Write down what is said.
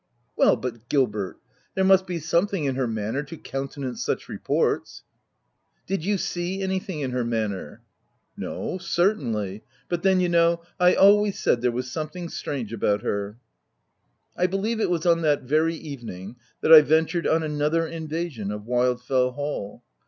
" Well, but Gilbert, there must be some thing in her manner to countenance such re ports." OF WILDFELL HALL. 179 " Did you see anything in her manner ?"" No, certainly ; but then you know, I al ways said there was something strange about her." I believe it was on that very evening that I ventured on another invasion of Wildfell Hall.